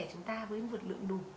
chúng ta với vượt lượng đủ